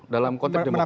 dalam konteks demokrasi